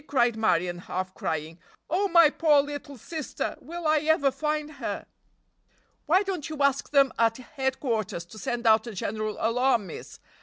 cried Marion, half crying. "Oh, my poor little sister! Will I ever find her?" "Why don't you ask them at headquarters to send out a general alarm, miss?"